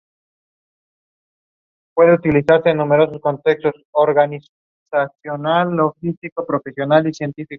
Angelina fue interpretada por Danielle Tabor en las primeras tres películas.